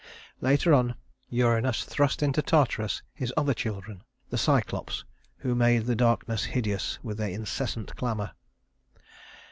Later on, Uranus thrust into Tartarus his other children, the Cyclops, who made the darkness hideous with their incessant clamor.